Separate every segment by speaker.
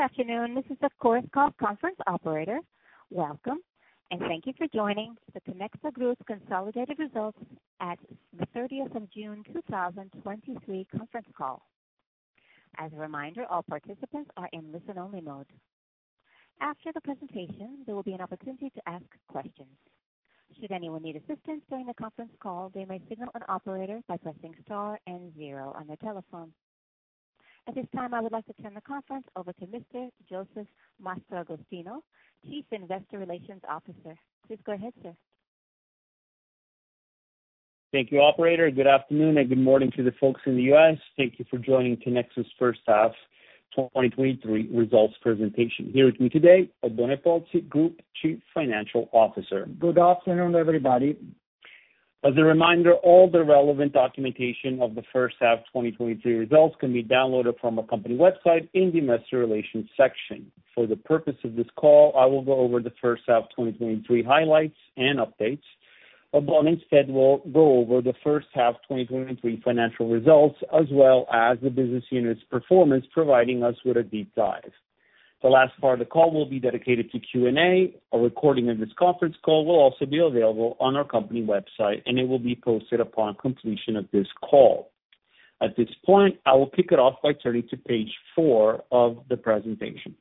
Speaker 1: Good afternoon. This is, of course, call conference operator. Welcome, and thank you for joining the Tinexta Group's consolidated results at the thirtieth of June, 2023 conference call. As a reminder, all participants are in listen-only mode. After the presentation, there will be an opportunity to ask questions. Should anyone need assistance during the conference call, they may signal an operator by pressing star and 0 on their telephone. At this time, I would like to turn the conference over to Mr. Jozef Mastragostino, Chief Investor Relations Officer. Please go ahead, sir.
Speaker 2: Thank you, operator. Good afternoon and good morning to the folks in the U.S. Thank you for joining Tinexta's first half 2023 results presentation. Here with me today, Oddone Pozzi, Group Chief Financial Officer.
Speaker 3: Good afternoon, everybody.
Speaker 2: As a reminder, all the relevant documentation of the first half 2023 results can be downloaded from our company website in the Investor Relations section. For the purpose of this call, I will go over the first half of 2023 highlights and updates. Above, instead, will go over the first half 2023 financial results, as well as the business unit's performance, providing us with a deep dive. The last part of the call will be dedicated to Q&A. A recording of this conference call will also be available on our company website. It will be posted upon completion of this call. At this point, I will kick it off by turning to page 4 of the presentation.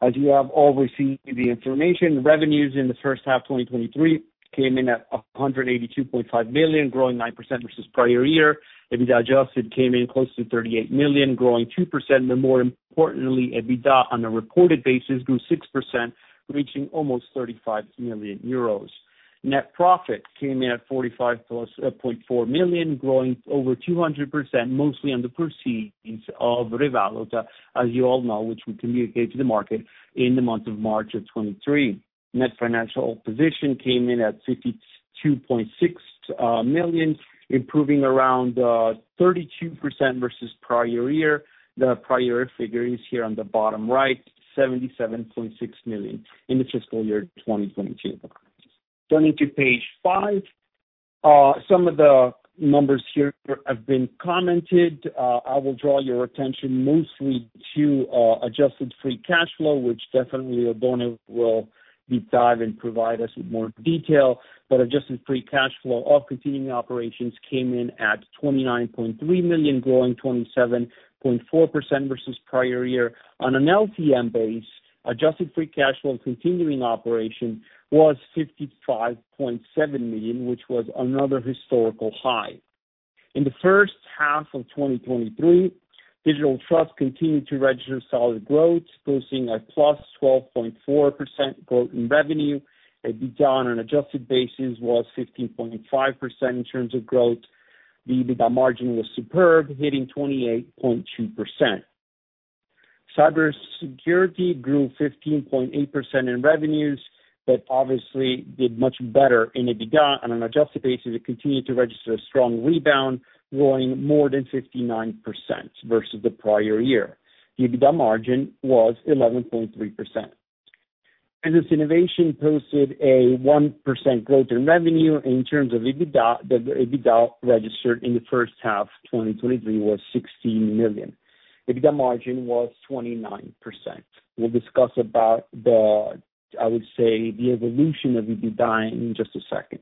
Speaker 2: As you have already seen the information, revenues in the first half 2023 came in at 182.5 million, growing 9% versus prior year. EBITDA adjusted came in close to 38 million, growing 2%, but more importantly, EBITDA on a reported basis grew 6%, reaching almost 35 million euros. Net profit came in at 45.4 million, growing over 200%, mostly on the proceedings of REValuta, as you all know, which we communicate to the market in the month of March of 2023. Net financial position came in at 52.6 million, improving around 32% versus prior year. The prior year figure is here on the bottom right, 77.6 million in the fiscal year 2022. Turning to page 5, some of the numbers here have been commented. I will draw your attention mostly to adjusted free cash flow, which definitely Oddone will deep dive and provide us with more detail. Adjusted free cash flow of continuing operations came in at 29.3 million, growing 27.4% versus prior year. On an LTM base, adjusted free cash flow and continuing operation was 55.7 million, which was another historical high. In the first half of 2023, Digital Trust continued to register solid growth, posting a +12.4% growth in revenue. EBITDA on an adjusted basis was 15.5% in terms of growth. The EBITDA margin was superb, hitting 28.2%. Cybersecurity grew 15.8% in revenues, but obviously did much better in EBITDA on an adjusted basis. It continued to register a strong rebound, growing more than 59% versus the prior year. The EBITDA margin was 11.3%. Business innovation posted a 1% growth in revenue. In terms of EBITDA, the EBITDA registered in the first half, 2023, was 16 million. EBITDA margin was 29%. We'll discuss about the, I would say, the evolution of EBITDA in just a second.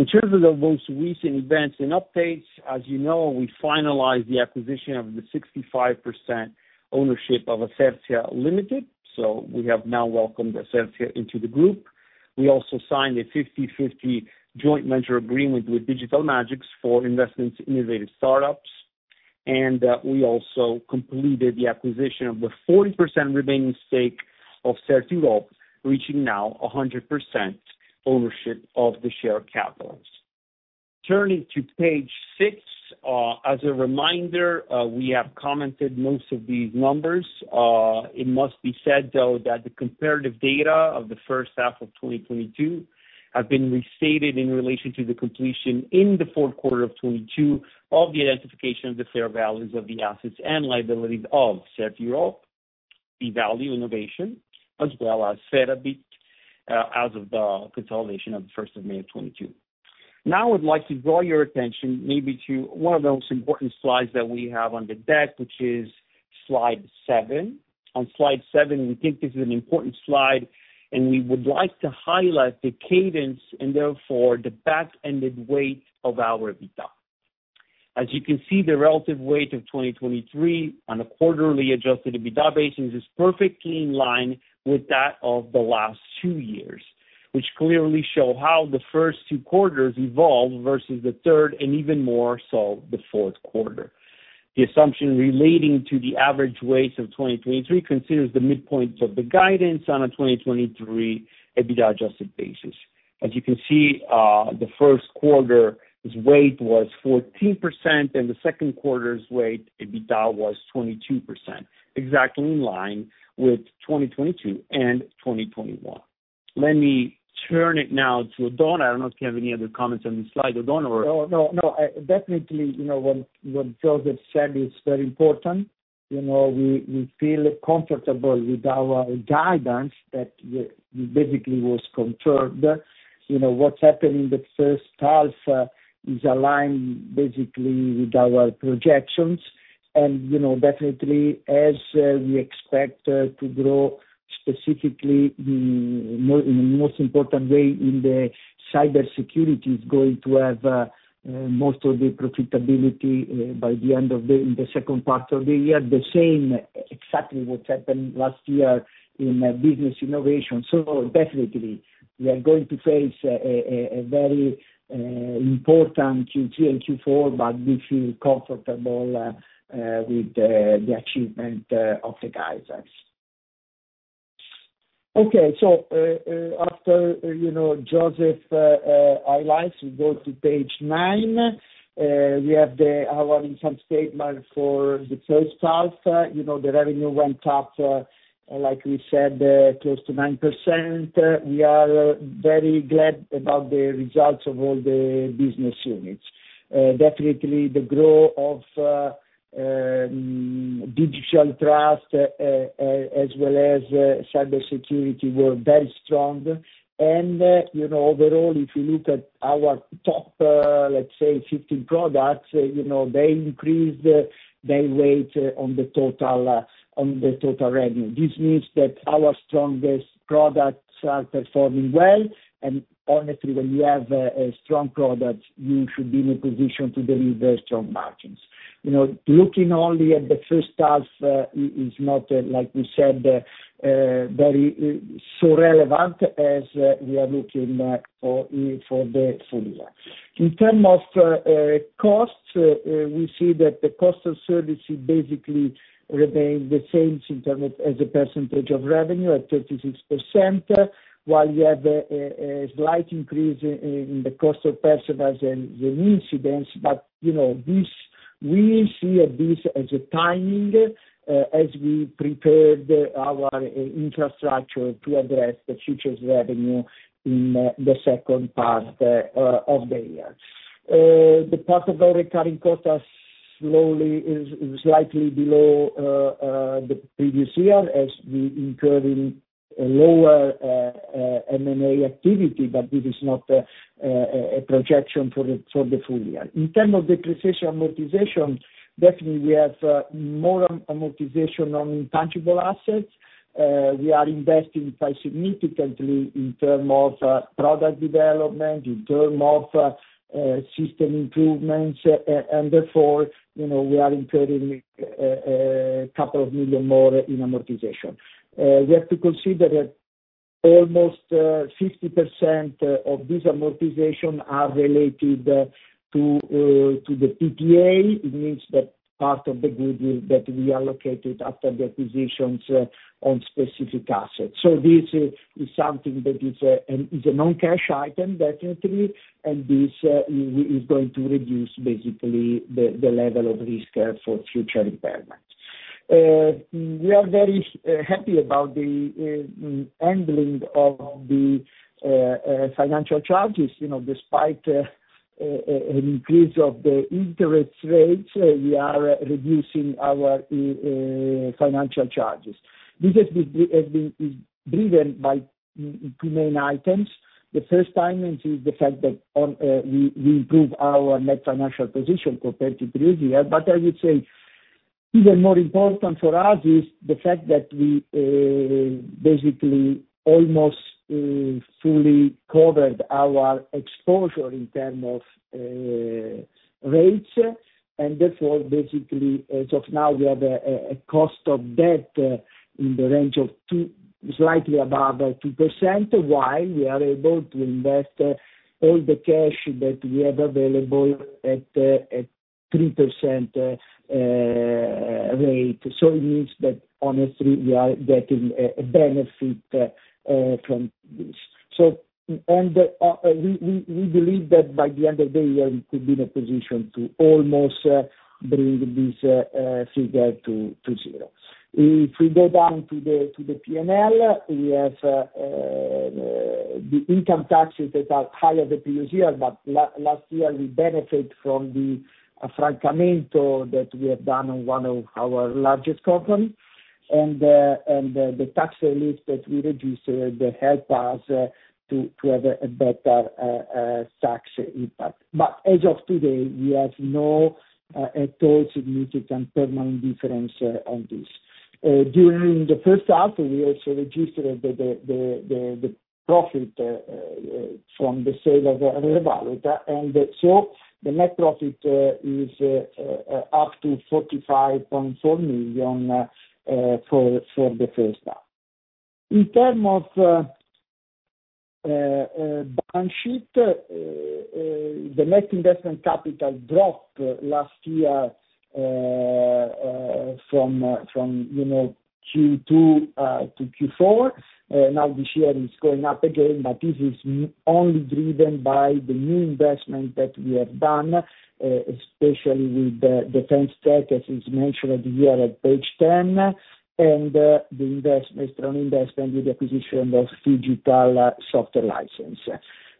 Speaker 2: In terms of the most recent events and updates, as you know, we finalized the acquisition of the 65% ownership of Ascertia Limited, so we have now welcomed Ascertia into the group. We also signed a 50/50 joint venture agreement with Digital Magics for investment innovative startups, and we also completed the acquisition of the 40% remaining stake of CertEurope, reaching now 100% ownership of the share capitals. Turning to page 6, as a reminder, we have commented most of these numbers. It must be said, though, that the comparative data of the first half of 2022 have been restated in relation to the completion in the fourth quarter of 2022, of the identification of the fair values of the assets and liabilities of CertEurope, the eValue Innovation, as well as Cerabit, as of the first of May of 2022. I would like to draw your attention maybe to one of the most important slides that we have on the deck, which is slide 7. On slide 7, we think this is an important slide, and we would like to highlight the cadence and therefore the back-ended weight of our EBITDA. As you can see, the relative weight of 2023 on a quarterly adjusted EBITDA basis is perfectly in line with that of the last 2 years, which clearly show how the first 2 quarters evolve versus the third, and even more so, the fourth quarter. The assumption relating to the average weights of 2023 considers the midpoints of the guidance on a 2023 EBITDA adjusted basis. As you can see, the first quarter's weight was 14% and the second quarter's weight, EBITDA was 22%, exactly in line with 2022 and 2021. Let me turn it now to Oddone. I don't know if you have any other comments on this slide, Oddone, or?
Speaker 3: No, no, no, definitely, you know, what, what Jozef said is very important. You know, we, we feel comfortable with our guidance that basically was confirmed. You know, what's happening in the first half is aligned basically with our projections. You know, definitely as we expect to grow specifically in the most important way in the cybersecurity is going to have most of the profitability by the end of the second part of the year, the same exactly what happened last year in business innovation. Definitely we are going to face a very important Q3 and Q4, but we feel comfortable with the achievement of the guidance. Okay, after, you know, Jozef highlights, we go to page 9. We have the, our income statement for the first half. You know, the revenue went up, like we said, close to 9%. We are very glad about the results of all the business units. Definitely the growth of Digital Trust as well as Cybersecurity were very strong. You know, overall, if you look at our top, let's say 15 products, you know, they increased their weight on the total, on the total revenue. This means that our strongest products are performing well, and honestly, when you have a, a strong product, you should be in a position to deliver strong margins. You know, looking only at the first half, is, is not, like we said, very, so relevant as we are looking for, for the full year. In terms of costs, we see that the cost of services basically remained the same in terms of as a percentage of revenue at 36%, while you have a slight increase in the cost of personnel and incidents. You know, this, we see this as a timing, as we prepared our infrastructure to address the future's revenue in the second part of the year. The part of our recurring costs slowly is slightly below the previous year as we incur in a lower M&A activity, but this is not a projection for the full year. In terms of depreciation amortization, definitely we have more amortization on intangible assets. We are investing quite significantly in terms of product development, in terms of system improvements. Therefore, you know, we are incurring 2 million more in amortization. We have to consider that almost 60% of this amortization are related to the PPA. It means that part of the goodwill that we allocated after the acquisitions on specific assets. This is something that is a non-cash item, definitely, and this is going to reduce basically the level of risk for future requirements. We are very happy about the handling of the financial charges. You know, despite an increase of the interest rates, we are reducing our financial charges. This has been, is driven by two main items. The first item is the fact that on, we, we improve our net financial position compared to previous year. I would say even more important for us is the fact that we basically almost fully covered our exposure in term of rates. Therefore, basically, as of now, we have a cost of debt in the range of 2, slightly above 2%, while we are able to invest all the cash that we have available at a 3% rate. It means that honestly, we are getting a benefit from this. We, we, we believe that by the end of the year, we could be in a position to almost bring this figure to 0. If we go down to the P&L, we have the income taxes that are higher the previous year, last year, we benefit from the affrancamento that we have done on one of our largest companies, and the tax relief that we reduced that help us to have a better tax impact. As of today, we have no at all significant permanent difference on this. During the first half, we also registered the profit from the sale of REValuta, and so the net profit is up to 45.4 million for the first half. In term of balance sheet, the net investment capital dropped last year, from, you know, Q2 to Q4. Now this year it's going up again, but this is only driven by the new investment that we have done, especially with the tech stack, as is mentioned here at page 10, and the strong investment with the acquisition of Fujitsu software license.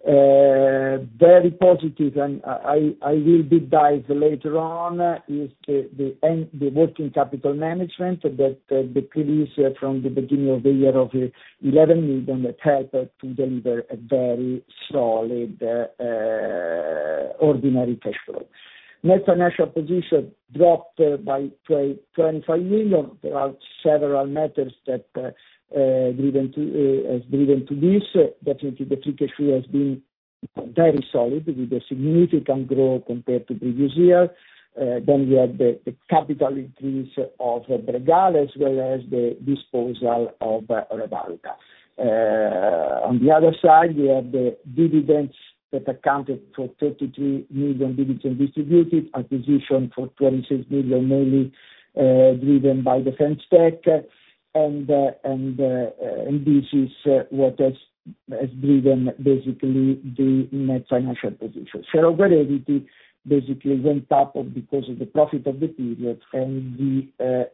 Speaker 3: Very positive, and I will deep dive later on, is the working capital management that decrease from the beginning of the year of 11 million that help to deliver a very solid ordinary cash flow. Net financial position dropped by 25 million. There are several matters that driven to has driven to this, the free cash flow has been very solid, with a significant growth compared to the previous year. We have the, the capital increase of Bregal, as well as the disposal of REValuta. On the other side, we have the dividends that accounted for 33 million dividend distributed, acquisition for 26 million, mainly driven by the FinTech, and and and this is what has has driven basically the net financial position. Shareholder equity basically went up because of the profit of the period and the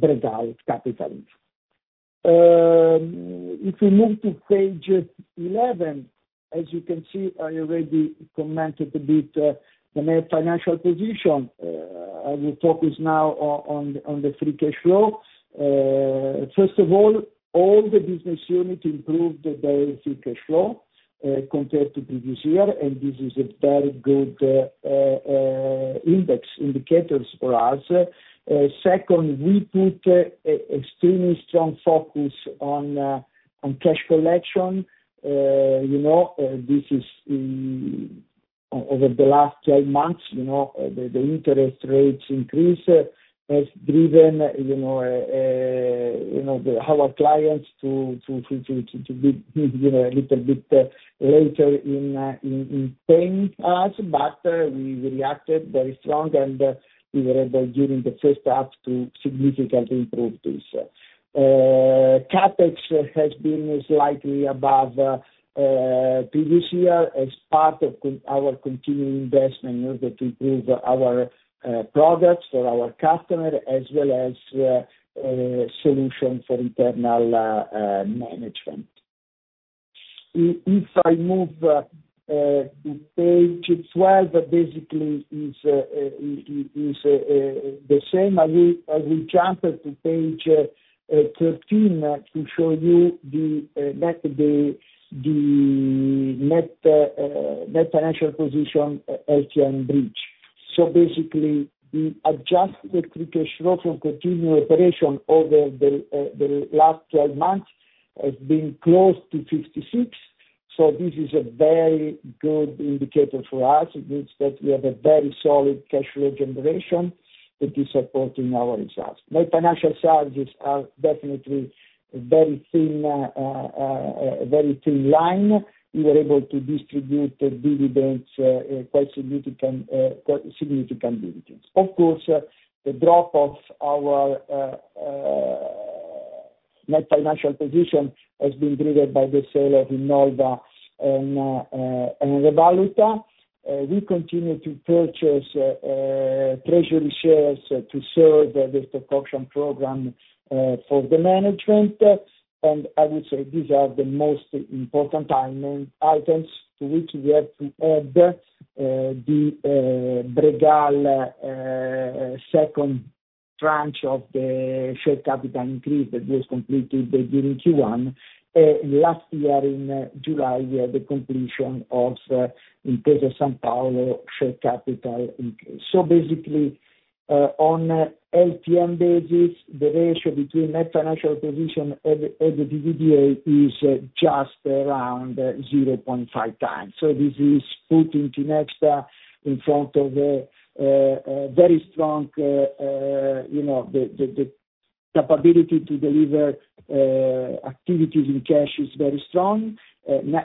Speaker 3: Bregal capital. If we move to page 11, as you can see, I already commented a bit the net financial position. I will focus now on, on, on the free cash flow. First of all, all the business unit improved their free cash flow compared to previous year, and this is a very good index, indicators for us. Second, we put extremely strong focus on cash collection. You know, this is the over the last 12 months, you know, the interest rates increase has driven, you know, the our clients to be, you know, a little bit later in paying us, but we reacted very strong, and we were able, during the first half, to significantly improve this. CapEx has been slightly above previous year as part of our continuing investment in order to improve our products for our customer, as well as solution for internal management. If I move to page 12, basically is the same. I will jump to page 13 to show you the net financial position LTM bridge. Basically, we adjusted the free cash flow from continued operation over the last 12 months has been close to 56, this is a very good indicator for us. It means that we have a very solid cash flow generation that is supporting our results. Net financial charges are definitely very thin, very thin line. We were able to distribute the dividends, quite significant, quite significant dividends. Of course, the drop of our net financial position has been driven by the sale of Innolva and REValuta. We continue to purchase treasury shares to serve the stock option program for the management. I would say these are the most important items to which we have to add the Bregal second tranche of the share capital increase that was completed during Q1. Last year in July, we had the completion of Intesa Sanpaolo, share capital increase. Basically, on LTM basis, the ratio between net financial position and the EBITDA is just around 0.5 times. This is putting Tinexta in front of a, a very strong, you know, the, the, the capability to deliver activities in cash is very strong.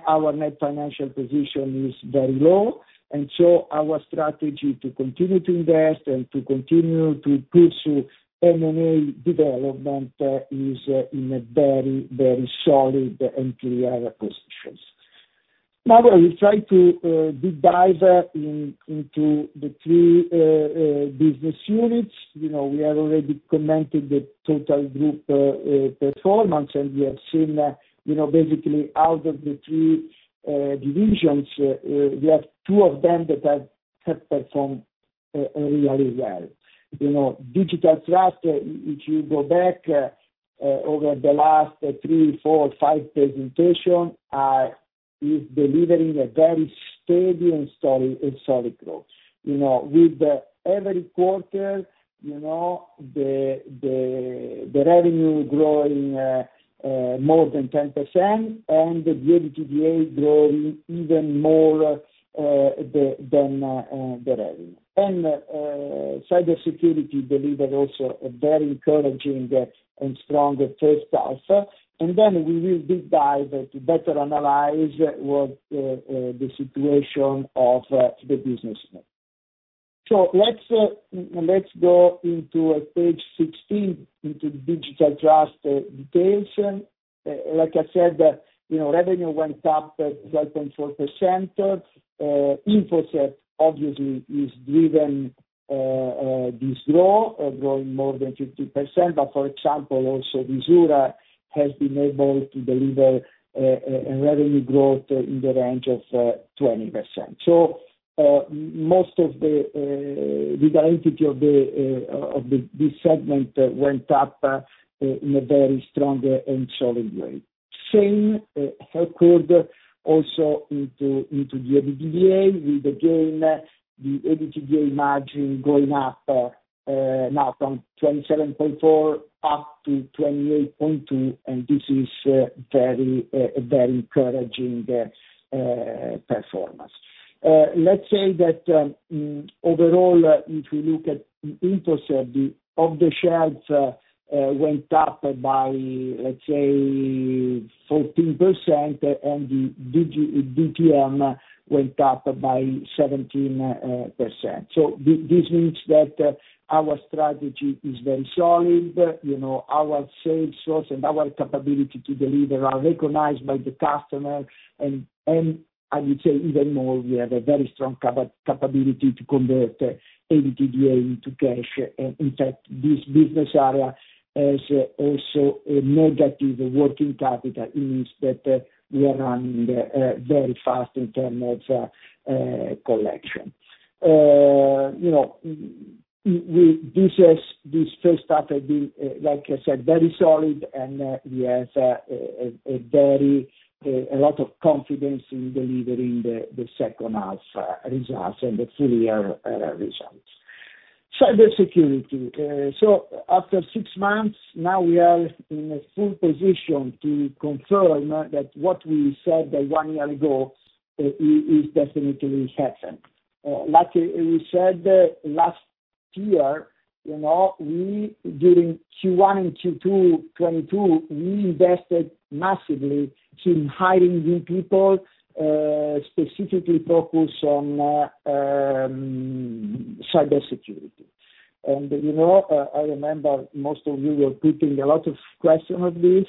Speaker 3: Our net financial position is very low, and so our strategy to continue to invest and to continue to pursue M&A development, is in a very, very solid and clear positions. Now, I will try to deep dive into the 3 business units. You know, we have already commented the total group performance, and we have seen that, you know, basically out of the 3 divisions, we have 2 of them that have, have performed really well. You know, Digital Trust, if you go back, over the last 3, 4, 5 presentation, is delivering a very steady and steady and solid growth. You know, with the every quarter, you know, the, the, the revenue growing more than 10% and the EBITDA growing even more than the revenue. Cybersecurity delivered also a very encouraging and stronger first half. We will deep dive to better analyze what the situation of the business. Let's let's go into page 16, into the Digital Trust details. Like I said, you know, revenue went up 12.4%. InfoCert obviously is driven this law, growing more than 50%. For example, also Visura has been able to deliver a revenue growth in the range of 20%. Most of the identity of the this segment went up in a very strong and solid way. Same occurred also into, into the EBITDA, with again, the EBITDA margin going up now from 27.4 up to 28.2, and this is very, very encouraging performance. Let's say that, overall, if we look at off the shelves, went up by, let's say, 14%, and the DTM went up by 17%. This means that our strategy is very solid, you know, our sales source and our capability to deliver are recognized by the customer, and, and I would say even more, we have a very strong capability to convert EBITDA into cash. In fact, this business area is also a negative working capital. It means that we are running very fast in terms of collection. You know, this first half have been like I said, very solid, and we have a very lot of confidence in delivering the second half results and the full year results. Cybersecurity, after 6 months, now we are in a full position to confirm that what we said 1 year ago is definitely happened. Like we said last year, you know, we, during Q1 and Q2 2022, we invested massively in hiring new people, specifically focused on cybersecurity. You know, I remember most of you were putting a lot of questions on this,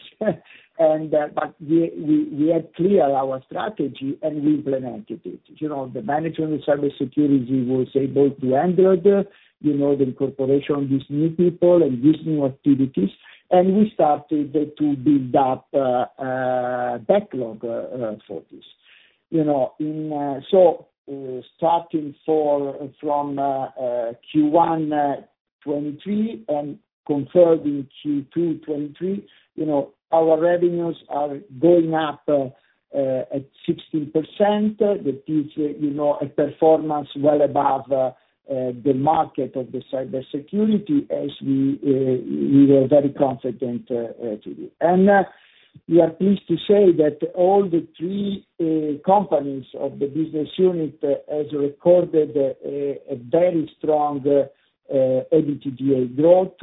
Speaker 3: but we, we, we are clear our strategy, and we implemented it. You know, the management of cybersecurity was able to handle the, you know, the incorporation of these new people and these new activities, and we started to build up backlog for this. You know, starting from Q1 2023 and confirmed in Q2 2023, you know, our revenues are going up at 16%. That is, you know, a performance well above the market of the cybersecurity as we were very confident to do. We are pleased to say that all the three companies of the business unit has recorded a very strong EBITDA growth.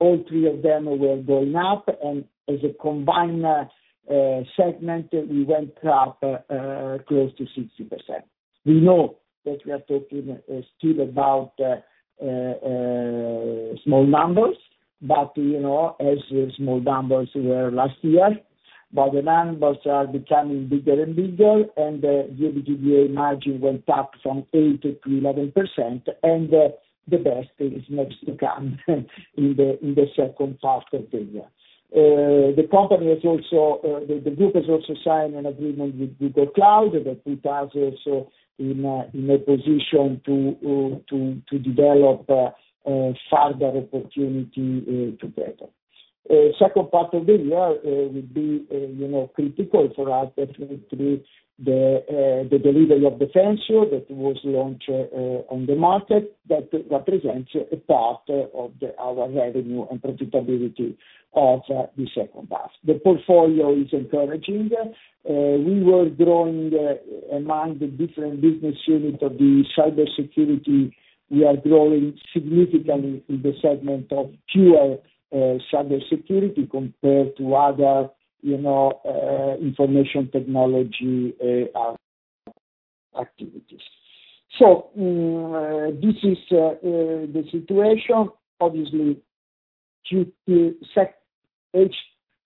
Speaker 3: All three of them were going up, and as a combined segment, we went up close to 60%. We know that we are talking still about small numbers, but, you know, as small numbers were last year, but the numbers are becoming bigger and bigger, and the EBITDA margin went up from 8%-11%, and the best is next to come in the second half of the year. The company has also, the group has also signed an agreement with Google Cloud, that put us also in a position to develop further opportunity together. Second part of the year, will be, you know, critical for us definitely through the delivery of Defensio that was launched on the market, that represents a part of our revenue and profitability of the second half. The portfolio is encouraging. We were growing among the different business units of the cyber security. We are growing significantly in the segment of pure cyber security compared to other, you know, information technology activities. This is the situation. Obviously, Q2 H2,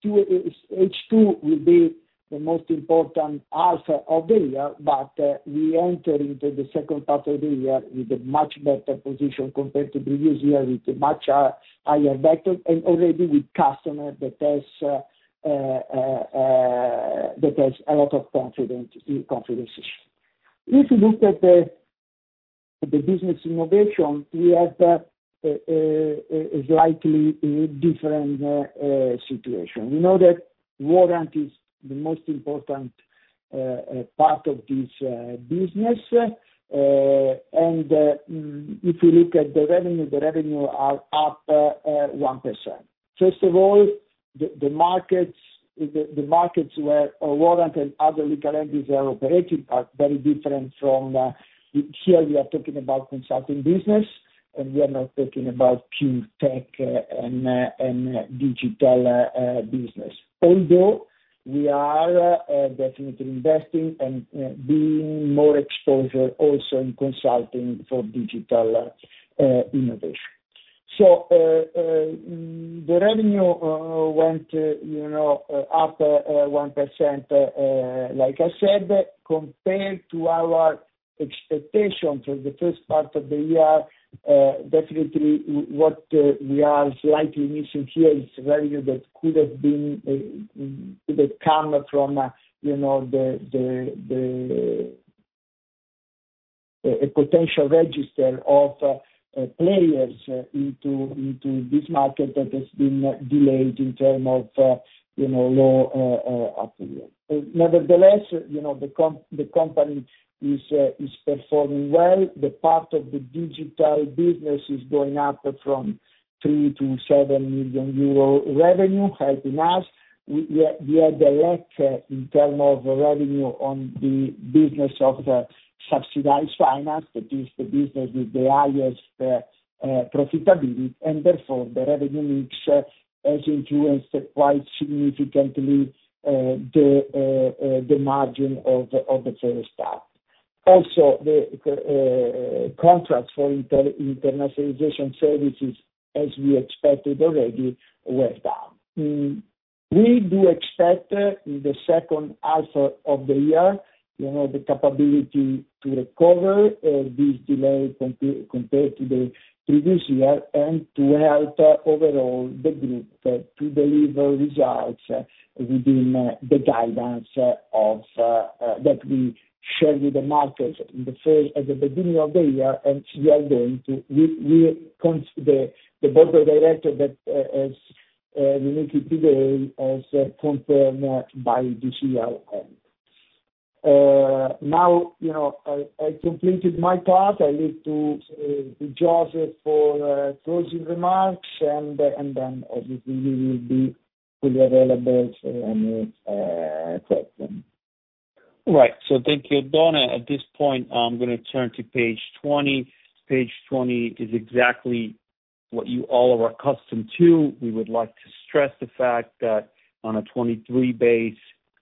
Speaker 3: H2 will be the most important half of the year, we enter into the second half of the year with a much better position compared to previous year, with a much higher vector and already with customer that has that has a lot of confident confidence. If you look at the business innovation, we have a slightly different situation. We know that Warrant is the most important part of this business, if you look at the revenue, the revenue are up 1%. First of all, the markets, the markets where Warrant and other legal entities are operating are very different from here we are talking about consulting business, and we are not talking about pure tech and digital business. Although, we are definitely investing and being more exposure also in consulting for digital innovation. The revenue went, you know, up 1%, like I said. Compared to our expectations for the first part of the year, definitely what we are slightly missing here is a value that could have been, could have come from, you know. a potential register of players into this market that has been delayed in term of, you know, low activity. Nevertheless, you know, the company is performing well. The part of the digital business is going up from 3 million-7 million euro revenue, helping us. We are, we are the lack in term of revenue on the business of the subsidized finance. That is the business with the highest profitability, and therefore the revenue mix has influenced quite significantly the margin of the first half. Also, the contract for internationalization services, as we expected already, were down. We do expect, in the second half of the year, you know, the capability to recover this delay compared to the previous year, and to help overall the group to deliver results within the guidance of that we shared with the market in the first, at the beginning of the year, and the board of directors that as we make it today, as confirmed by the CL end. Now, you know, I completed my part. I leave to Jozef for closing remarks, and then obviously we will be fully available for any question.
Speaker 2: Right. Thank you, Oddone. At this point, I'm gonna turn to page 20. Page 20 is exactly what you all are accustomed to. We would like to stress the fact that on a 2023 base,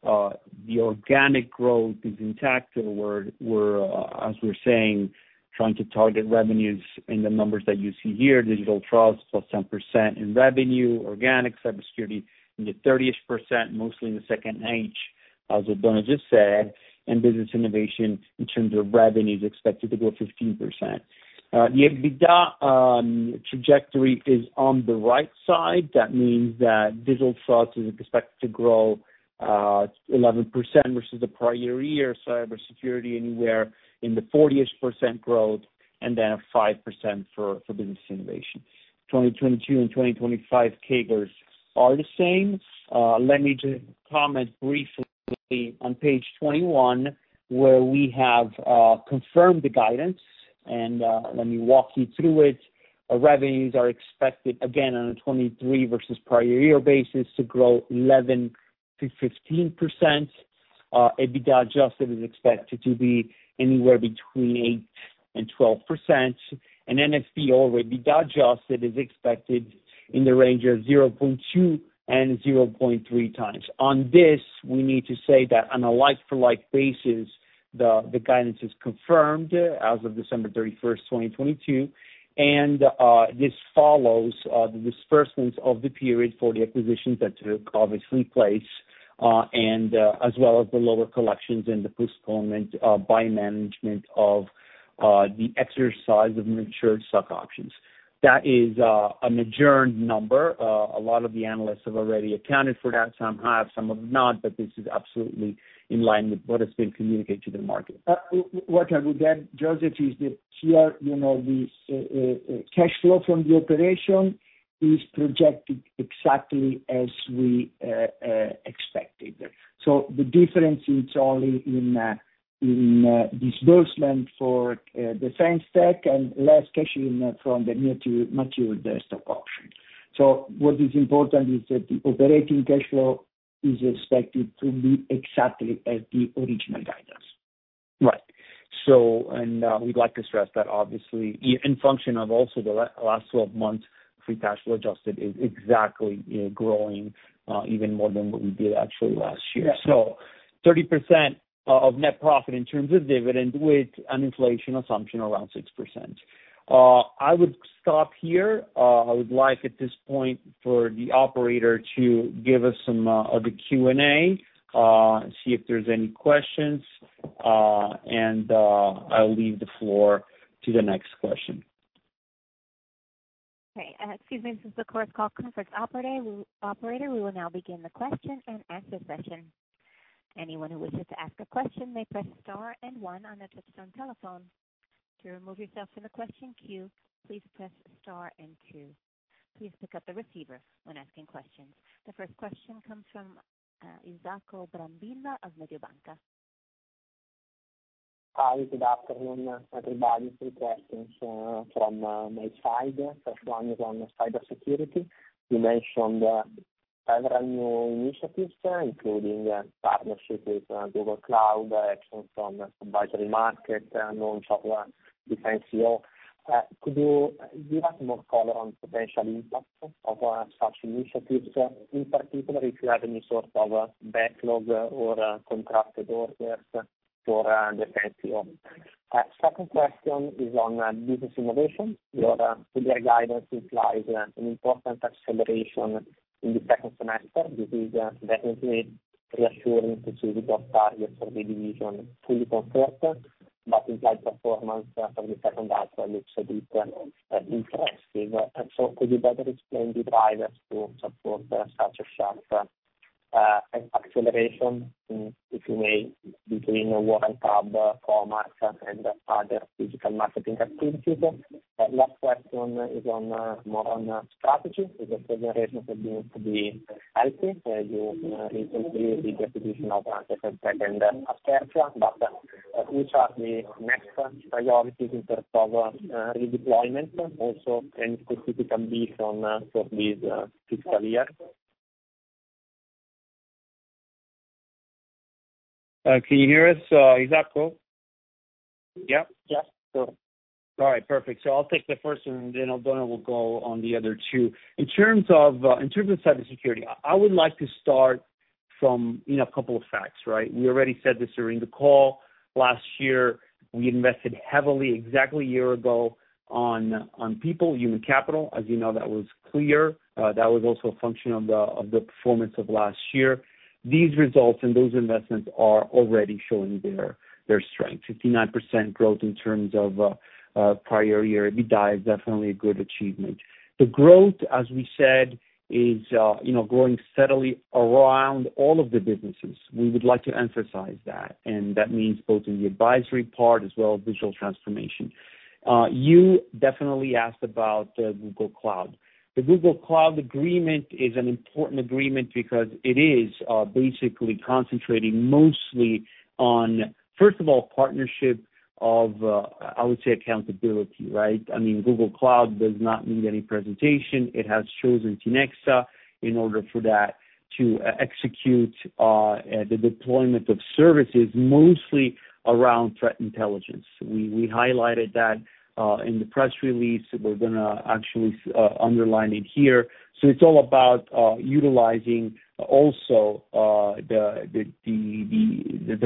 Speaker 2: the organic growth is intact, and we're, as we're saying, trying to target revenues in the numbers that you see here, Digital Trust plus 10% in revenue, organic Cybersecurity in the thirtiest percent, mostly in the second half, as Oddone just said, and Business Innovation in terms of revenue is expected to grow 15%. The EBITDA trajectory is on the right side. That means that Digital Trust is expected to grow 11% versus the prior year, Cybersecurity anywhere in the fortiest percent growth, and then a 5% for Business Innovation. 2022 and 2025 CAGRs are the same. Let me start with the highlights of the full year 2023. We had a very strong year, with revenues growing 12% year-over-year to EUR 360.9 million. EBITDA adjusted grew 15% to EUR 120.2 million, with a margin of 33.3%, up 100 basis points year-over-year. Net income adjusted grew 17% to EUR 60.2 million. Net financial position was EUR 290.2 million, with a leverage of 2.4x NFP to EBITDA adjusted. Free cash flow adjusted was EUR 50.2 million A lot of the analysts have already accounted for that. Some have, some have not, but this is absolutely in line with what has been communicated to the market.
Speaker 3: What I would add, Jozef, is that here, you know, the cash flow from the operation is projected exactly as we expected. The difference is only in disbursement for the same stack and less cash in from the near to mature the stock options. What is important is that the operating cash flow is expected to be exactly as the original guidance.
Speaker 2: Right. We'd like to stress that obviously in function of also the last 12 months, free cash flow adjusted is exactly growing even more than what we did actually last year.
Speaker 3: Yeah.
Speaker 2: 30% of net profit in terms of dividend, with an inflation assumption around 6%. I would stop here. I would like, at this point, for the operator to give us some, the Q&A, and see if there's any questions, and, I'll leave the floor to the next question.
Speaker 1: Okay, excuse me. This is the course call conference operator, operator, we will now begin the question and answer session. Anyone who wishes to ask a question, may press Star and One on their touchtone telephone. To remove yourself from the question queue, please press Star and Two. Please pick up the receiver when asking questions. The first question comes from Isacco Brambilla of Mediobanca.
Speaker 4: Hi, good afternoon, everybody. Three questions from my side. First one is on Cybersecurity. You mentioned several new initiatives, including a partnership with Google Cloud, action from advisory market, launch of Defenseio. Could you give us more color on potential impact of such initiatives, in particular, if you have any sort of backlog or contracted orders for the Defenseio? Second question is on business innovation. Your previous guidance implies an important acceleration in the second semester. This is definitely reassuring to see the target for the division fully confirmed. Implied performance for the second half looks a bit interesting. Could you better explain the drivers to support such a sharp acceleration in which way between CoMark and other digital marketing activities. Last question is on more on strategy. Is the to be healthy? You recently did the acquisition of, but which are the next priorities in terms of redeployment also, and specifically from for this fiscal year?
Speaker 2: Can you hear us, Isacco?
Speaker 4: Yeah.
Speaker 3: Yeah, sure.
Speaker 2: All right, perfect. I'll take the first one, and then Oddone will go on the other two. In terms of, in terms of cybersecurity, I would like to start from, you know, a couple of facts, right? We already said this during the call. Last year, we invested heavily, exactly a year ago, on people, human capital. As you know, that was clear. That was also a function of the performance of last year. These results and those investments are already showing their strength, 59% growth in terms of prior year EBITDA is definitely a good achievement. The growth, as we said, is, you know, growing steadily around all of the businesses. We would like to emphasize that, and that means both in the advisory part as well as digital transformation. You definitely asked about the Google Cloud. The Google Cloud agreement is an important agreement because it is basically concentrating mostly on, first of all, partnership of, I would say accountability, right? I mean, Google Cloud does not need any presentation. It has chosen Tinexta in order for that to execute the deployment of services, mostly around threat intelligence. We highlighted that in the press release. We're gonna actually underline it here. It's all about utilizing also the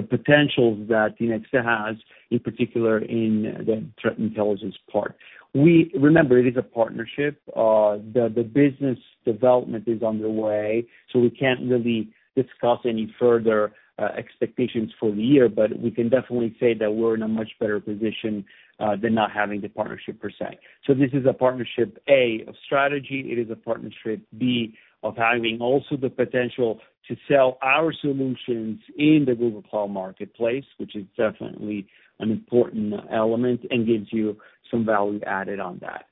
Speaker 2: potentials that Tinexta has, in particular, in the threat intelligence part. We remember, it is a partnership. The business development is underway, so we can't really discuss any further expectations for the year, but we can definitely say that we're in a much better position than not having the partnership per se. This is a partnership, A, of strategy. It is a partnership, B, of having also the potential to sell our solutions in the Google Cloud marketplace, which is definitely an important element and gives you some value added on that.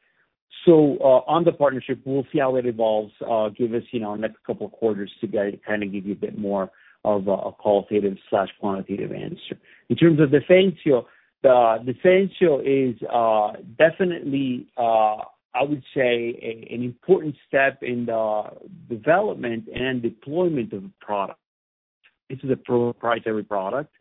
Speaker 2: On the partnership, we'll see how it evolves. Give us, you know, next couple of quarters to go to kind of give you a bit more of a, a qualitative/quantitative answer. In terms of Defencio, Defencio is definitely, I would say, an important step in the development and deployment of the product. This is a proprietary product.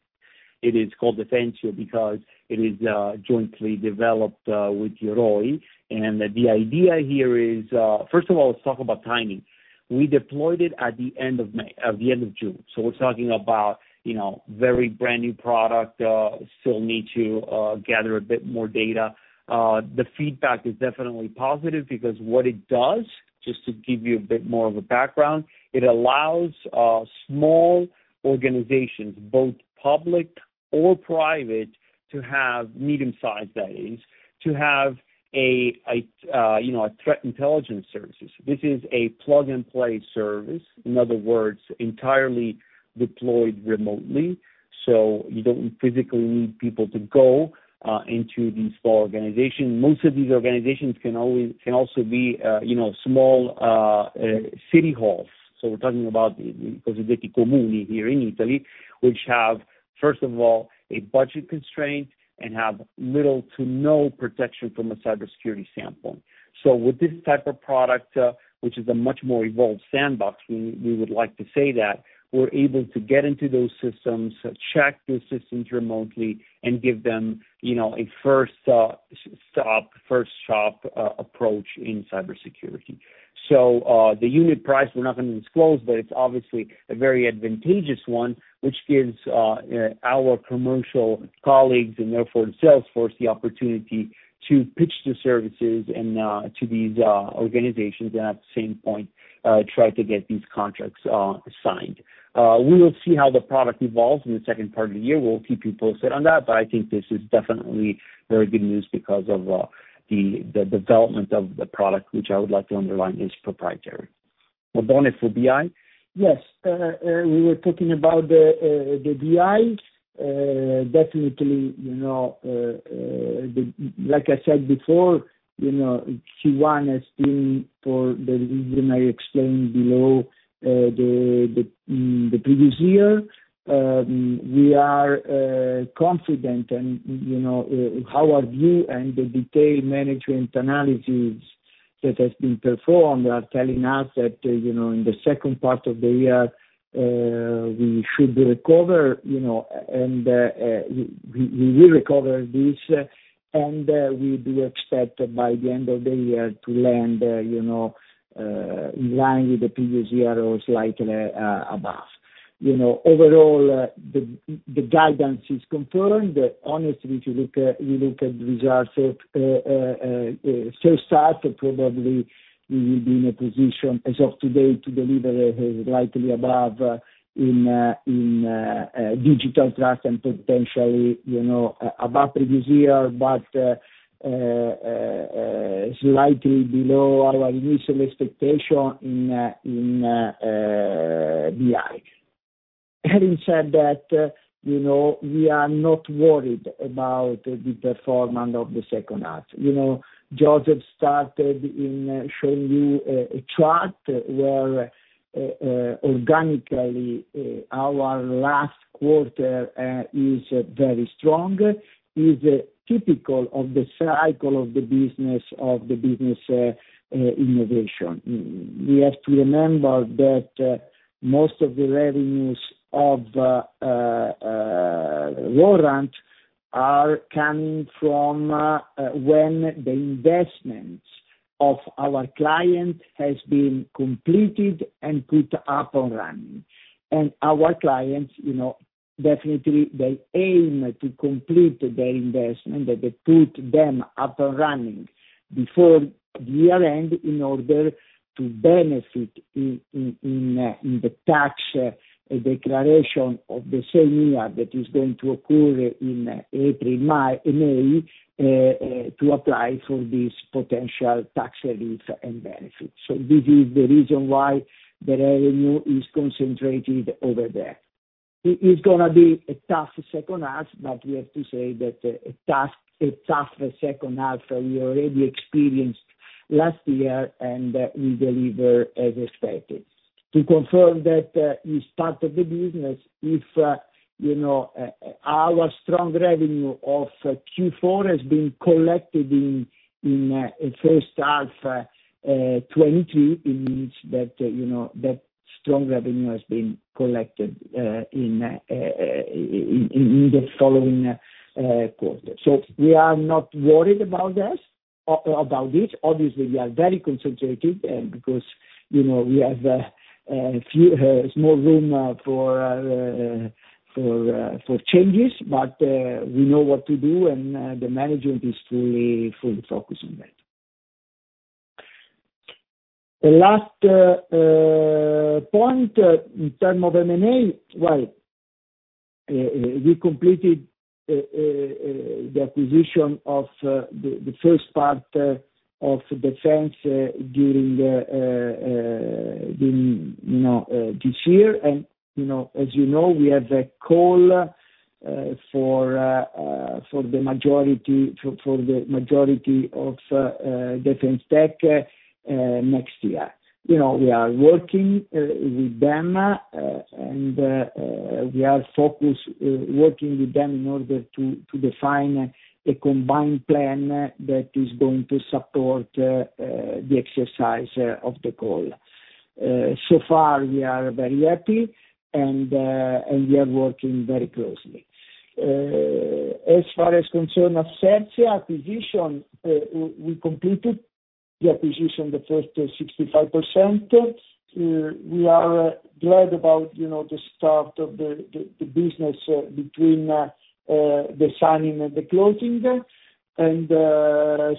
Speaker 2: It is called Defencio because it is jointly developed with Yoroi. The idea here is. First of all, let's talk about timing. We deployed it at the end of May, at the end of June, so we're talking about, you know, very brand-new product, still need to gather a bit more data. The feedback is definitely positive because what it does, just to give you a bit more of a background, it allows small organizations, both public or private, to have medium-sized, that is, to have a, a, you know, a threat intelligence services. This is a plug-and-play service, in other words, entirely deployed remotely, so you don't physically need people to go into these small organizations. Most of these organizations can always, can also be, you know, small city halls. We're talking about the here in Italy, which have, first of all, a budget constraint and have little to no protection from a cybersecurity standpoint. With this type of product, which is a much more evolved sandbox, we, we would like to say that we're able to get into those systems, check the systems remotely, and give them, you know, a first stop, first shop approach in cybersecurity. The unit price, we're not gonna disclose, but it's obviously a very advantageous one, which gives our commercial colleagues and therefore the sales force, the opportunity to pitch the services and to these organizations, and at the same point, try to get these contracts signed. We will see how the product evolves in the second part of the year. We'll keep you posted on that, but I think this is definitely very good news because of the, the development of the product, which I would like to underline, is proprietary. Oddone, for BI?
Speaker 3: Yes, we were talking about the BI. Definitely, you know, like I said before, you know, she won us in for the reason I explained below, the previous year. We are confident, and, you know, our view and the detailed management analysis that has been performed are telling us that, you know, in the second part of the year, we should recover, you know, and we will recover this, and we do expect by the end of the year to land, you know, in line with the previous year or slightly above. You know, overall, the guidance is confirmed. Honestly, if you look, you look at the results of, start, probably we will be in a position as of today to deliver lightly above in in Digital Trust and potentially, you know, above previous year, but slightly below our initial expectation in in BI. Having said that, you know, we are not worried about the performance of the second half. You know, Jozef started in showing you a chart where organically our last quarter is very strong, is typical of the cycle of the business, of the business innovation. We have to remember that most of the revenues of Warrant are coming from when the investments of our client has been completed and put up and running. Our clients, you know, definitely they aim to complete their investment, that they put them up and running before year-end in order to benefit in, in, in the tax declaration of the same year that is going to occur in April, May, in May to apply for this potential tax relief and benefits. This is the reason why the revenue is concentrated over there. It is gonna be a tough second half. We have to say that a tough, a tougher second half we already experienced last year, and we deliver as expected. To confirm that, is part of the business. If, you know, our strong revenue of Q4 has been collected in, in, first half 2020, it means that, you know, that strong revenue has been collected, in, in, in the following, quarter. We are not worried about this, about this. Obviously, we are very concentrated, because, you know, we have a few small room for changes, but we know what to do, and the management is fully, fully focused on that. The last point in term of M&A. Well, we completed the acquisition of the first part of Defence during the, in, you know, this year. You know, as you know, we have a call for the majority, for the majority of Defence Tech next year. You know, we are working with them, and we are focused working with them in order to define a combined plan that is going to support the exercise of the call. So far, we are very happy, and we are working very closely. As far as concern Ascertia acquisition, we completed the acquisition, the first 65%. We are glad about, you know, the start of the business between the signing and the closing.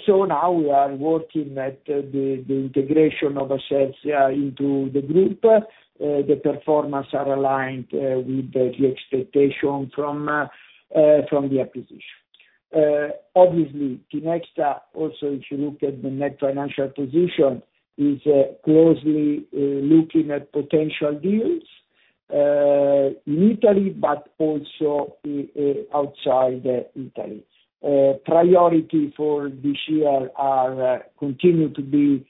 Speaker 3: So now we are working at the integration of Ascertia into the group. The performance are aligned with the expectation from the acquisition. Obviously, Tinexta also, if you look at the net financial position, is closely looking at potential deals in Italy, but also outside Italy. Priority for this year are continue to be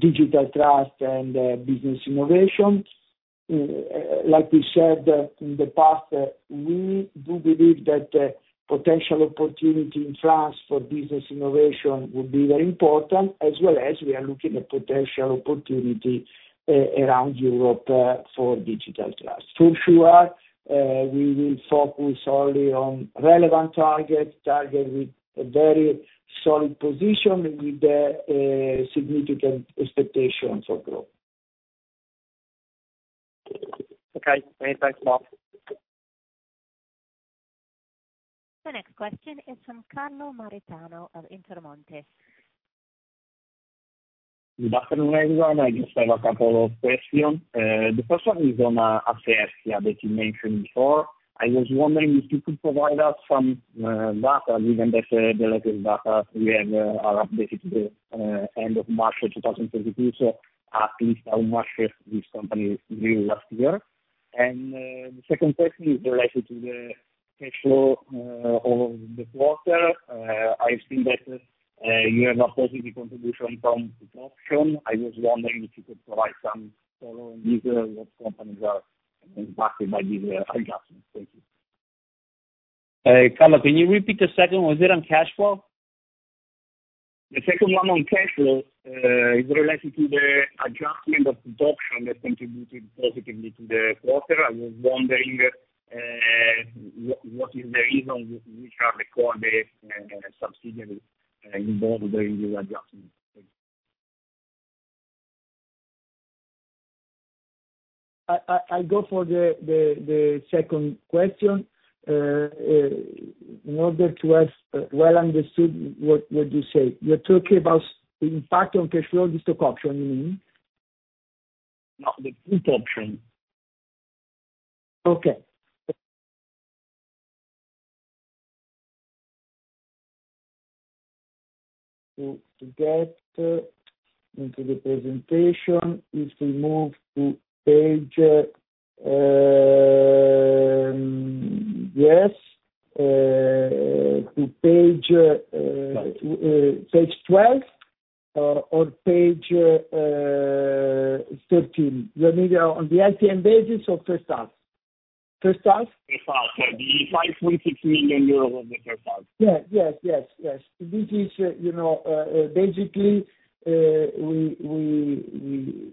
Speaker 3: Digital Trust and business innovation. Like we said in the past, we do believe that potential opportunity in France for business innovation will be very important, as well as we are looking at potential opportunity around Europe for Digital Trust. For sure, we will focus only on relevant targets, target with a very solid position with the significant expectations of growth.
Speaker 4: Okay. Many thanks, Bob.
Speaker 1: The next question is from Carlo Maritano of Intermonte.
Speaker 5: Good afternoon, everyone. I just have a couple of questions. The first one is on Ascertia that you mentioned before. I was wondering if you could provide us some data, given that the latest data we have are updated to the end of March of 2022. At least how much this company grew last year. The second question is related to the cash flow over the quarter. I've seen that you have a positive contribution from production. I was wondering if you could provide some follow on this, what companies are impacted by these adjustments. Thank you.
Speaker 3: Carlo, can you repeat the second one? Was it on cash flow?
Speaker 5: The second one on cash flow is related to the adjustment of production that contributed positively to the quarter. I was wondering, what is the reason, which are the core subsidiaries involved in the adjustment? Thank you.
Speaker 3: I go for the second question. In order to have well understood what you say, you're talking about the impact on cash flow, the stock option, you mean?
Speaker 5: No, the pre-option.
Speaker 3: Okay. To get into the presentation, if we move to page, yes, to page, page 12, or page 13. You're maybe on the LTM basis or first half? First half?
Speaker 2: First half. The EUR 5.6 million was the first half.
Speaker 3: Yeah. Yes, yes, yes. This is, you know, basically, we, we, we,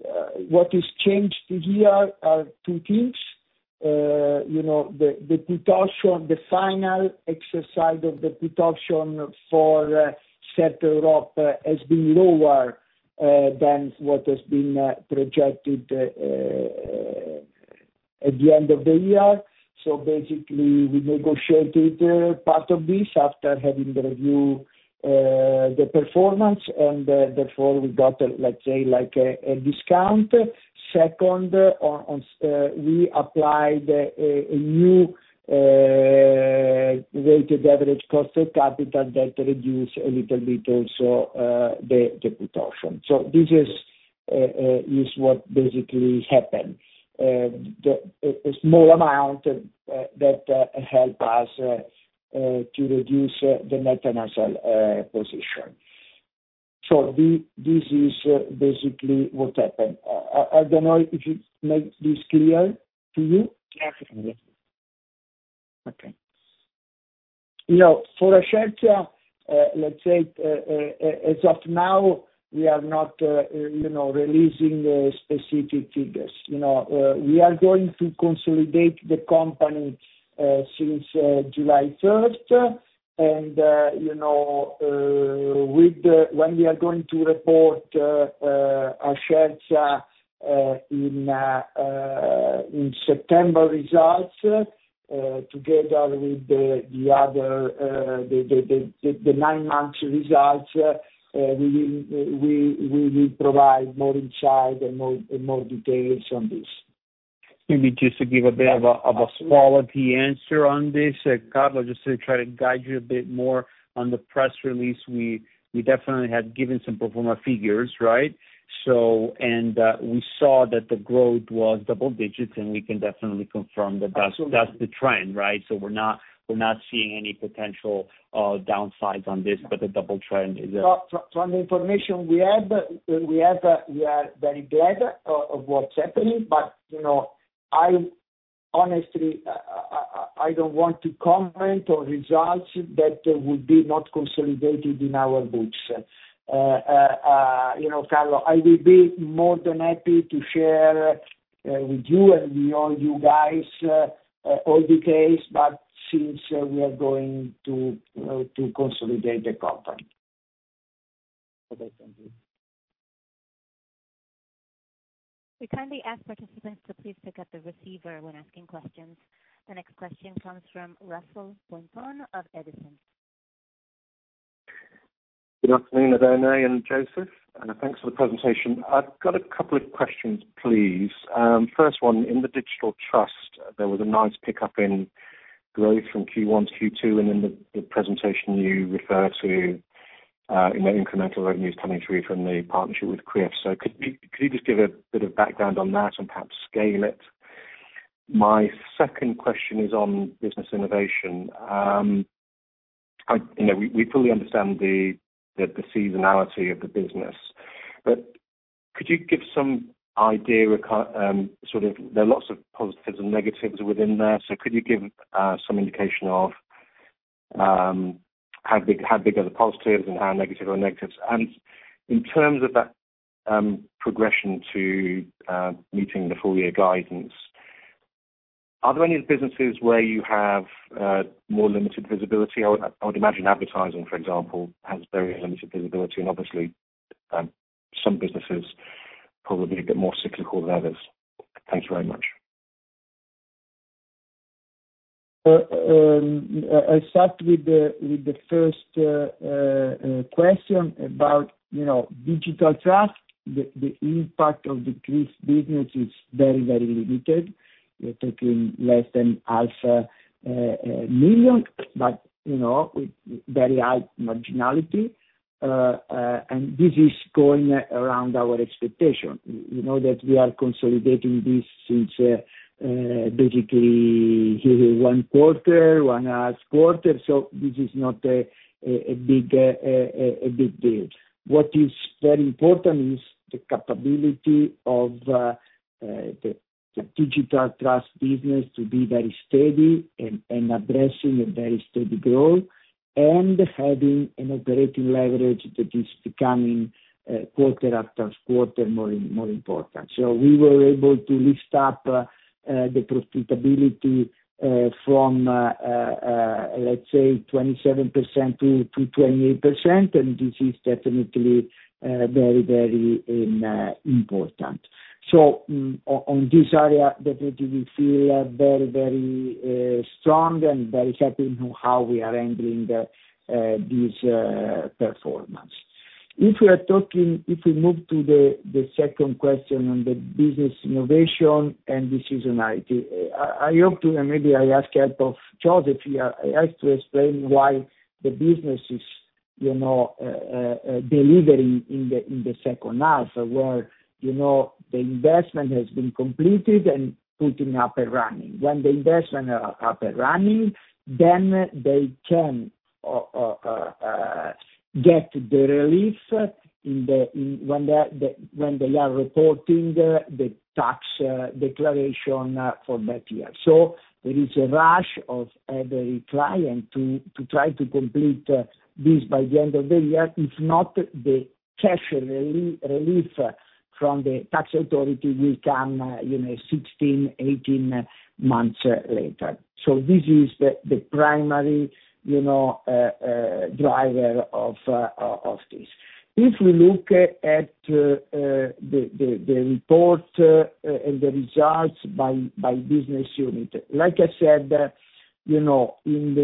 Speaker 3: what has changed here are two things. You know, the, the put option, the final exercise of the put option for Sixtel has been lower than what has been projected at the end of the year. Basically, we negotiated part of this after having the review, the performance, and therefore we got, let's say, like, a discount. Second, on, on, we applied a new weighted average cost of capital that reduced a little bit also the put option. This is what basically happened. The, a small amount that help us to reduce the net financial position. This, this is basically what happened. I, I don't know if it make this clear to you?
Speaker 2: Clearly.
Speaker 3: Okay. You know, for Ascertia, let's say, as of now, we are not, you know, releasing the specific figures. You know, we are going to consolidate the company, since July 1st. You know, when we are going to report Ascertia, in September results, together with the, the other, the, the, the, the 9 months results, we will provide more insight and more, and more details on this.
Speaker 2: Maybe just to give a bit of a, of a quality answer on this, Carlo, just to try to guide you a bit more on the press release, we definitely had given some pro forma figures, right? We saw that the growth was double digits, and we can definitely confirm that that's.
Speaker 3: Absolutely.
Speaker 2: -that's the trend, right? we're not, we're not seeing any potential, downsides on this, the double trend is there.
Speaker 3: Well, from, from the information we have, we have, we are very glad of, of what's happening. You know, I honestly, I don't want to comment on results that would be not consolidated in our books. You know, Carlo, I will be more than happy to share with you and with all you guys, all the case, since we are going to consolidate the company.
Speaker 2: Okay, thank you.
Speaker 1: We kindly ask participants to please pick up the receiver when asking questions. The next question comes from Russell Poynton of Edison.
Speaker 6: Good afternoon, Berne and Jozef, thanks for the presentation. I've got a couple of questions, please. First one, in the Digital Trust, there was a nice pickup in growth from Q1 to Q2, and in the, the presentation you refer to, in the incremental revenues coming through from the partnership with CRIF. Could you, could you just give a bit of background on that and perhaps scale it? My second question is on business innovation. I, you know, we, we fully understand the, the, the seasonality of the business, but could you give some idea of sort of there are lots of positives and negatives within there, so could you give some indication of how big, how big are the positives and how negative are negatives? In terms of that, progression to meeting the full year guidance, are there any businesses where you have more limited visibility? I would, I would imagine advertising, for example, has very limited visibility and obviously, some businesses probably a bit more cyclical than others. Thank you very much.
Speaker 3: I start with the first question about, you know, Digital Trust. The impact of the CRIF business is very, very limited. We're talking less than 500,000, but, you know, with very high marginality. This is going around our expectation. You know, that we are consolidating this since basically 1 quarter, 1 last quarter, this is not a big deal. What is very important is the capability of the Digital Trust business to be very steady and addressing a very steady growth, and having an operating leverage that is becoming quarter after quarter more, more important. We were able to lift up the profitability from let's say 27% to 28%, and this is definitely very, very important. On, on this area, definitely we feel very, very strong and very happy on how we are handling this performance. If we are talking, if we move to the second question on the business innovation and decision IT, I hope to, and maybe I ask help of Jozef, he I asked to explain why the business is, you know, delivering in the second half, where, you know, the investment has been completed and putting up and running. When the investment are up and running, then they can get the relief in the when they are reporting the tax declaration for that year. There is a rush of every client to try to complete this by the end of the year. If not, the cash relief from the tax authority will come, you know, 16-18 months later. This is the primary, you know, driver of this. If we look at the report and the results by business unit, like I said, you know, in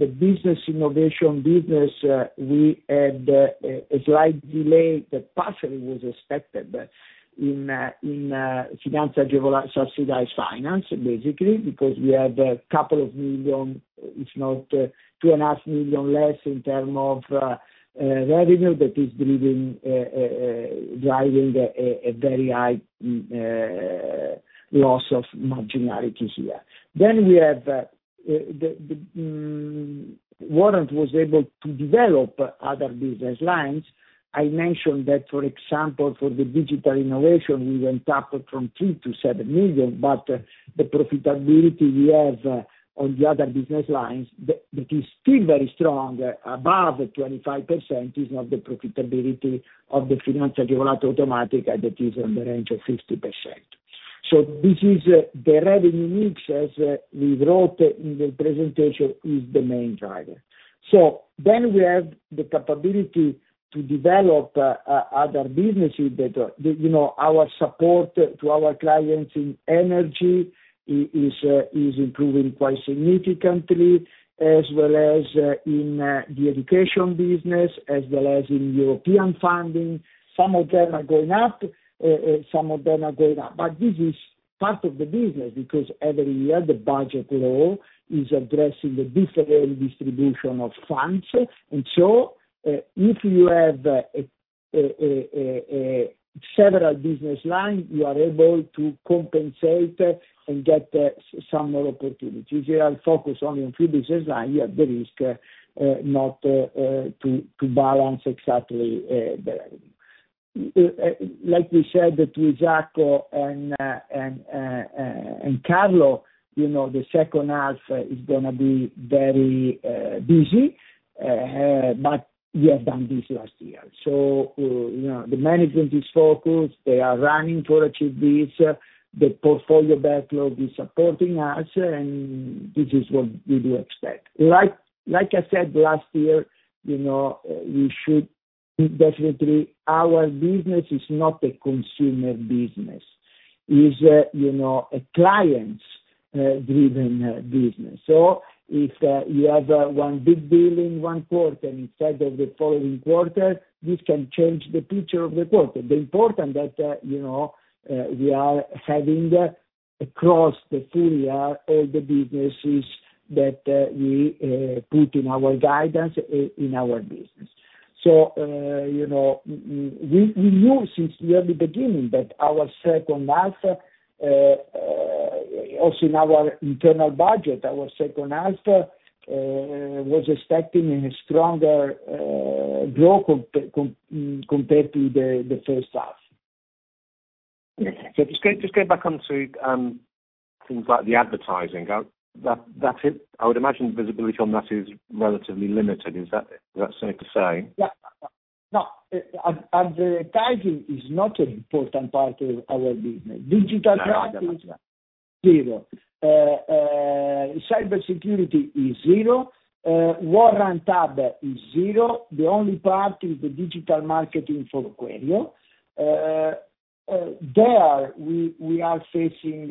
Speaker 3: the business innovation business, we had a slight delay that partially was expected in finance subsidized finance, basically, because we had 2 million, if not 2.5 million less in term of, revenue that is driving a very high loss of marginalities here. We have the Warrant was able to develop other business lines. I mentioned that for example, for the digital innovation, we went up from 2 million-7 million, the profitability we have on the other business lines, that, that is still very strong, above 25% is not the profitability of the financial automation, and that is in the range of 50%. This is the revenue mix, as we wrote in the presentation, is the main driver. We have the capability to develop other businesses that are, you know, our support to our clients in energy is improving quite significantly, as well as in the education business, as well as in European funding. Some of them are going up, some of them are going up. the business, because every year, the budget law is addressing the different distribution of funds. So, if you have several business lines, you are able to compensate and get some more opportunities. If you are focused on a few business lines, you have the risk not to balance exactly the revenue. Like we said to Jacco and Carlo, you know, the second half is going to be very busy, but we have done this last year. You know, the management is focused. They are running to achieve this. The portfolio backlog is supporting us, and this is what we do expect. Like, like I said, last year, you know, we should definitely. Our business is not a consumer business. Is a, you know, a clients driven business. If you have 1 big deal in 1 quarter and instead of the following quarter, this can change the picture of the quarter. The important that, you know, we are having across the full year, all the businesses that we put in our guidance in our business. You know, we knew since the early beginning that our second half, also in our internal budget, our second half was expecting a stronger growth com-com compared to the first half.
Speaker 6: just, just get back onto things like the advertising. I would imagine visibility on that is relatively limited. Is that, is that safe to say?
Speaker 3: Yeah. No, advertising is not an important part of our business.
Speaker 6: No, I got that.
Speaker 3: Digital is 0. Cybersecurity is 0, Warrant Hub is 0. The only part is the digital marketing for Queryo. There we, we are facing,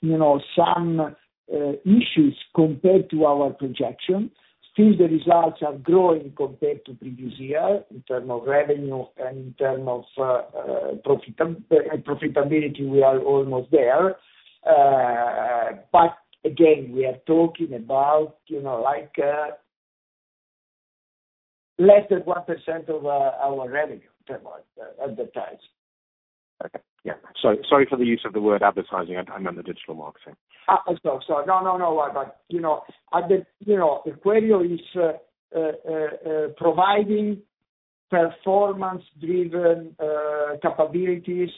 Speaker 3: you know, some issues compared to our projection. Still the results are growing compared to previous year in term of revenue and in term of profitab- profitability, we are almost there. Again, we are talking about, you know, like less than 1% of our revenue term, advertise.
Speaker 6: Okay. Yeah. Sorry for the use of the word advertising. I, I meant the digital marketing.
Speaker 3: No, no, no worry. You know, you know, Queryo is providing performance-driven capabilities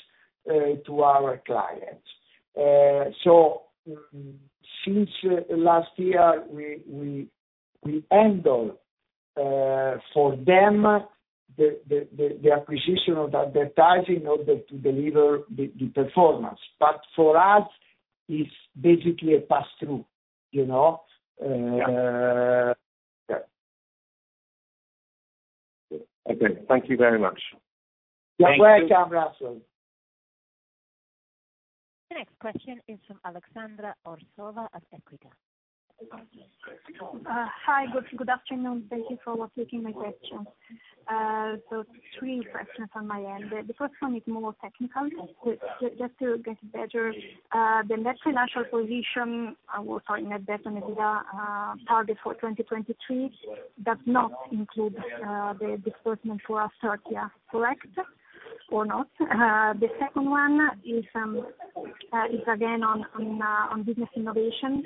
Speaker 3: to our clients. Since last year, we, we, we handle for them, the, the, the, the acquisition of advertising in order to deliver the, the performance. For us, it's basically a pass-through, you know?
Speaker 6: Yeah. Okay, thank you very much.
Speaker 3: You're welcome, Russell.
Speaker 1: Question is from Aleksandra Arsova at Mediobanca.
Speaker 7: Hi, good, good afternoon. Thank you for taking my question. Three questions on my end. The first one is more technical. To get better, the net financial position, well, sorry, net debt and EBITDA target for 2023 does not include the disbursement for Ascertia, correct or not? The second one is again on business innovation.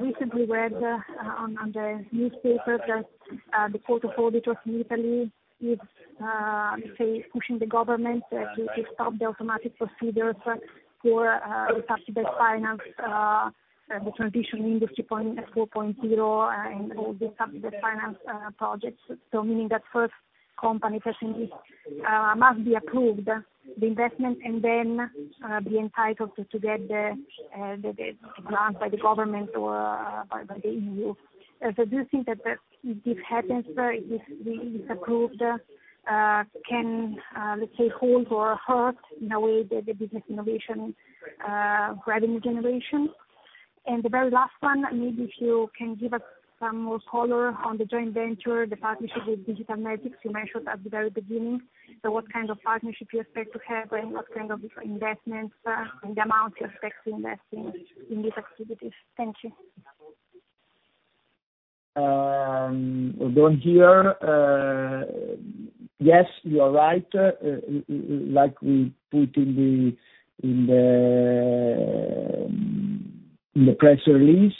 Speaker 7: Recently read on the newspaper that the Court of Audit in Italy is, let's say, pushing the government to stop the automatic procedures for with respect to the finance, the Transition 4.0, and all the finance projects. Meaning that first company personally, must be approved the investment and then, be entitled to, to get the, the grant by the government or by the EU. Do you think that, that if this happens, or if, if approved, can, let's say, hold or hurt in a way, the, the business innovation, revenue generation? The very last one, maybe if you can give us some more color on the joint venture, the partnership with Digital Magics you mentioned at the very beginning. What kind of partnership you expect to have, and what kind of investments, and the amount you expect to invest in, in these activities? Thank you.
Speaker 3: Well, don't hear. Yes, you are right. Like we put in the, in the press release,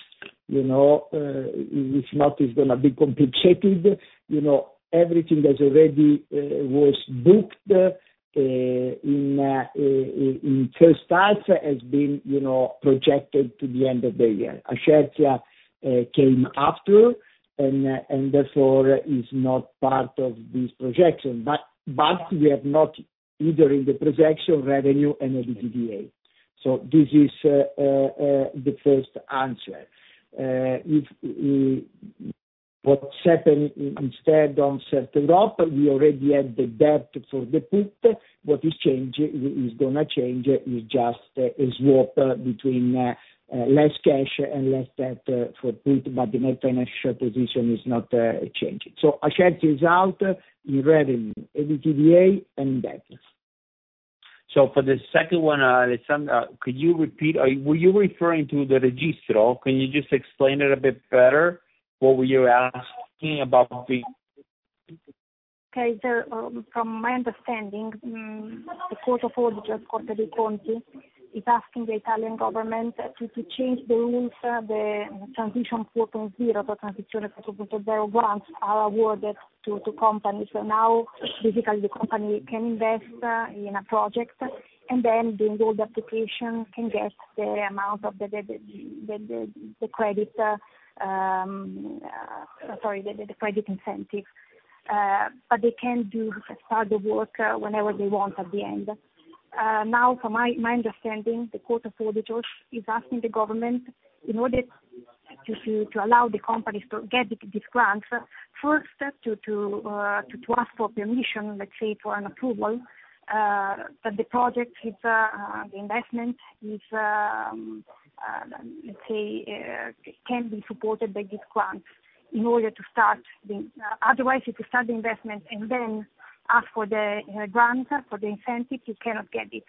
Speaker 3: you know, it's not, is gonna be complicated. You know, everything that's already was booked in in first half has been, you know, projected to the end of the year. Ascertia came after, therefore, is not part of this projection. We have not either in the projection, revenue and EBITDA. This is the first answer. If what happened instead on certain drop, we already had the debt for the put. What is changing, is gonna change is just a swap between less cash and less debt for put, but the net financial position is not changing. Ascertia is out in revenue, EBITDA, and debt.
Speaker 2: For the second one, Aleksandra, could you repeat or were you referring to the registro? Can you just explain it a bit better, what were you asking about the-
Speaker 8: Okay. From my understanding, the Court of Audit, Corte dei Conti, is asking the Italian government to change the rules, the Transition 4.0, the Transition 4.0 grants are awarded to companies. Now, basically, the company can invest in a project, and then the old application can get the amount of the the the credit, sorry, the the credit incentive, but they can do, start the work whenever they want at the end.
Speaker 7: Now, from my understanding, the Court of Audit is asking the government, in order to allow the companies to get these grants, first to ask for permission, let's say, for an approval, that the project is, the investment is, let's say, can be supported by this grant in order to start the. Otherwise, if you start the investment and then ask for the grant, for the incentive, you cannot get it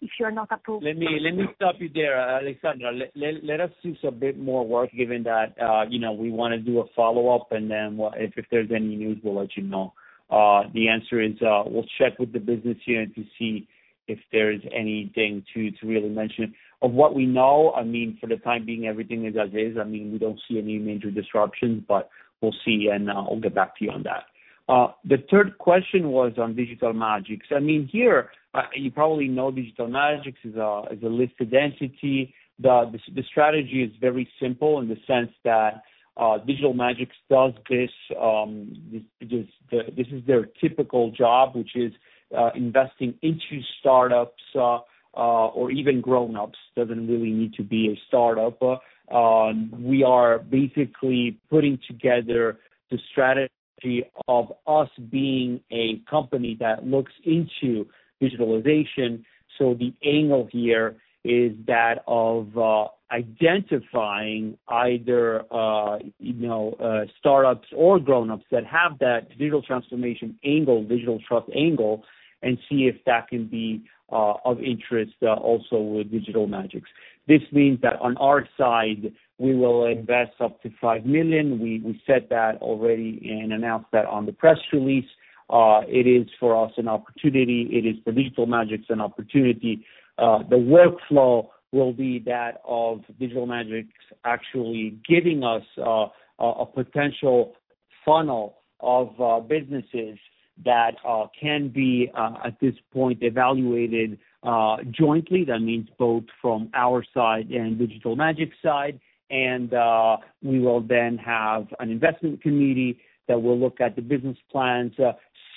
Speaker 7: if you're not approved.
Speaker 2: Let me, let me stop you there, Aleksandra. Let, let, let us do some bit more work, given that, you know, we want to do a follow-up, and then if, if there's any news, we'll let you know. The answer is, we'll check with the business unit to see if there is anything to, to really mention. Of what we know, I mean, for the time being, everything is as is. I mean, we don't see any major disruptions, but we'll see, and, I'll get back to you on that. The third question was on Digital Magics. I mean, here, you probably know Digital Magics is a, is a listed entity. The strategy is very simple in the sense that Digital Magics does this, this, this is their typical job, which is investing into startups or even grown-ups. Doesn't really need to be a startup. We are basically putting together the strategy of us being a company that looks into digitalization. The angle here is that of identifying either, you know, startups or grown-ups that have that digital transformation angle, Digital Trust angle, and see if that can be of interest also with Digital Magics. This means that on our side, we will invest up to 5 million. We, we said that already and announced that on the press release. It is for us, an opportunity. It is for Digital Magics, an opportunity. The workflow will be that of Digital Magics actually giving us a potential funnel of businesses that can be at this point, evaluated jointly. That means both from our side and Digital Magics' side, we will then have an investment committee that will look at the business plans,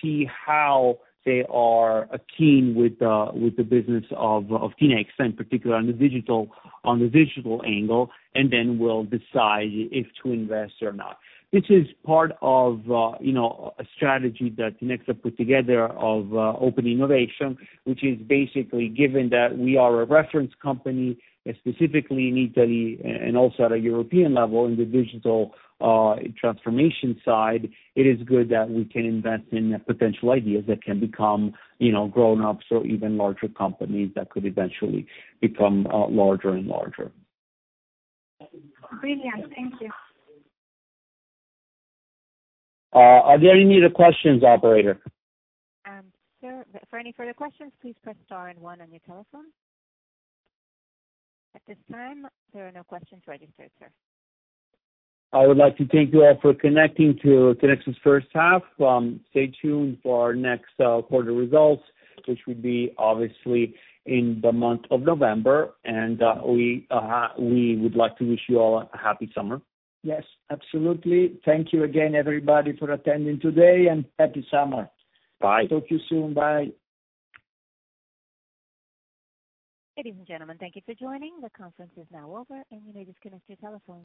Speaker 2: see how they are akin with the business of Tinexta, and particularly on the digital, on the digital angle, and then we'll decide if to invest or not. This is part of, you know, a strategy that Tinexta put together of open innovation, which is basically given that we are a reference company, and specifically in Italy and also at a European level, in the digital transformation side, it is good that we can invest in potential ideas that can become, you know, grown-ups or even larger companies that could eventually become larger and larger.
Speaker 7: Brilliant. Thank you.
Speaker 2: Are there any other questions, Operator?
Speaker 1: Sure. For any further questions, please press star 1 on your telephone. At this time, there are no questions registered, sir.
Speaker 2: I would like to thank you all for connecting to Tinexta's first half. Stay tuned for our next quarter results, which will be obviously in the month of November, and we would like to wish you all a happy summer.
Speaker 3: Yes, absolutely. Thank you again, everybody, for attending today, and happy summer.
Speaker 2: Bye.
Speaker 3: Talk to you soon. Bye.
Speaker 1: Ladies and gentlemen, thank you for joining. The conference is now over, and you may disconnect your telephones.